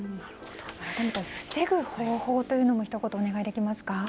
防ぐ方法というのをひと言お願いできますか。